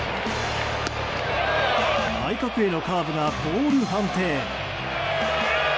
内角へのカーブがボール判定。